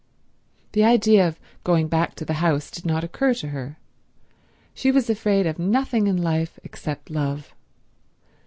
The idea of going back to the house did not occur to her. She was afraid of nothing in life except love.